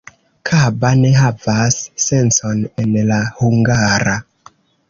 Kaba ne havas sencon en la hungara.